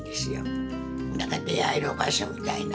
何か出会える場所みたいな。